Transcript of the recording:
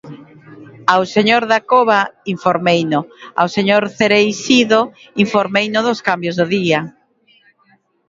Ao señor Dacova informeino, ao señor Cereixido informeino dos cambios do día.